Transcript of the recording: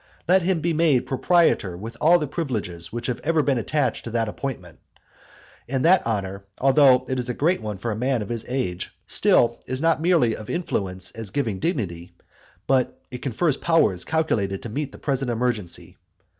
Let him be made proprietor with all the privileges which have ever been attached to that appointment. That honour, although it is a great one for a man of his age, still is not merely of influence as giving dignity, but it confers powers calculated to meet the present emergency.